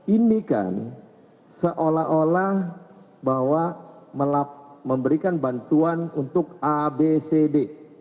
ini kan seolah olah bahwa memberikan bantuan untuk abcd